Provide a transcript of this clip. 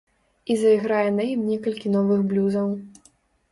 І зайграе на ім некалькі новых блюзаў.